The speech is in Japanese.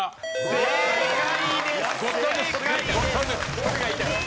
正解です。